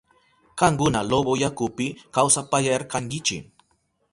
Kankuna Loboyakupi kawsapayarkankichi.